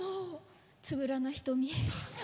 つぶらな瞳。